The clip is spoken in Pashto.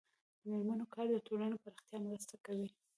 د میرمنو کار د ټولنې پراختیا مرسته کوي.